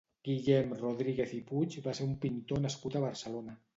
Guillem Rodríguez i Puig va ser un pintor nascut a Barcelona.